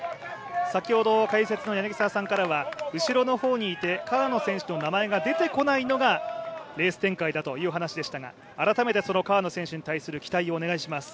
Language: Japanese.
先ほど解説の柳澤さんからは後ろの方にいて川野選手の名前が出てこないのがレース展開だという話がありましたが改めて川野選手に対する期待をお願いします。